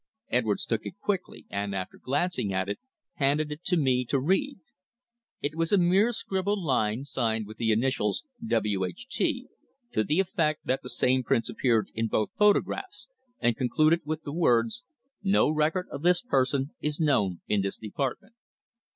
Edwards took it quickly, and after glancing at it, handed it to me to read. It was a mere scribbled line signed with the initials "W. H. T.," to the effect that the same prints appeared in both photographs, and concluded with the words "No record of this person is known in this department."